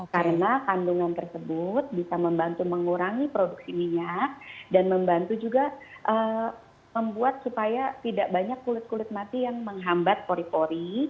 karena kandungan tersebut bisa membantu mengurangi produksi minyak dan membantu juga membuat supaya tidak banyak kulit kulit mati yang menghambat pori pori